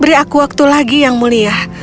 beri aku waktu lagi yang mulia